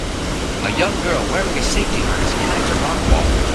A young girl wearing a safety harness climbs a rock wall.